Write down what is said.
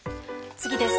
次です。